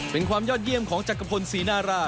เป็นความยอดเยี่ยมของจักรพลศรีนารา